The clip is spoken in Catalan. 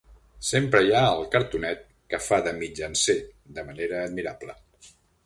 Sempre hi ha el cartonet que fa de mitjancer de manera admirable.